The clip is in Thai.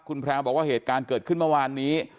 คุณแพรวบอกว่าเหตุการณ์เกิดขึ้นเมื่อวานนี้